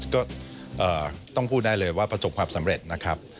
ก็ต้องพูดได้เลยว่าประสบความสำเร็จนะครับ